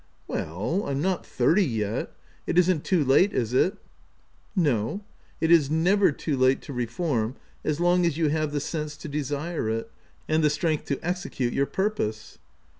" Well, I'm not thirty yet : it isn't too late, is it? " No ; it is never too late to reform, as long as you have the sense to desire it, and the strength to execute your purpose."